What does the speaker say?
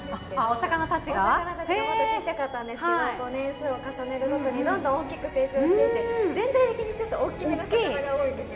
お魚たちがもっとちっちゃかったんですけど年数を重ねるごとにどんどん大きく成長していって全体的にちょっとおっきめの魚が多いんです。